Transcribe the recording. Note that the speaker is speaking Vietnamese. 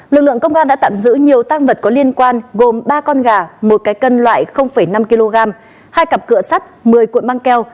lực lượng công an đã tạm giữ nhiều tăng vật có liên quan gồm ba con gà một cái cân loại năm kg hai cặp cửa sắt một mươi cuộn băng keo